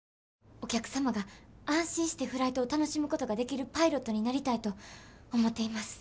お客様が安心してフライトを楽しむことができるパイロットになりたいと思っています。